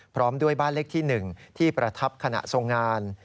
พร้อมด้วยบ้านเลขที่๑ที่ประทับขณะทรงงาน